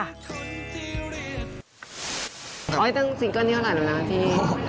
อุ้ยตั้งสิงค์การนี้เท่านั้นหรือเปล่านะที่